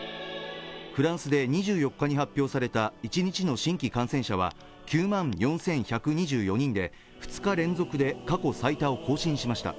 フランスで２４日に発表された１日の新規感染者は９万４１２４人で２日連続で過去最多を更新しました